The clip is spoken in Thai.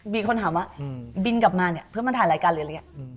มีคนถามว่าบินกลับมาเนี่ยเพื่อมาถ่ายรายการหรืออะไรอย่างนี้